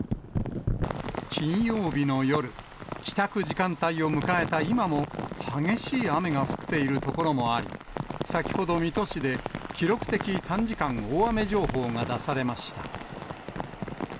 金曜日の夜、帰宅時間帯を迎えた今も、激しい雨が降っている所もあり、先ほど、水戸市で記録的短時間大雨情報が出されました。